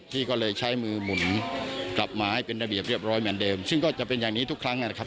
พี่ก็เลยใช้มือหมุนกลับมาให้เป็นระเบียบเรียบร้อยเหมือนเดิมซึ่งก็จะเป็นอย่างนี้ทุกครั้งนะครับ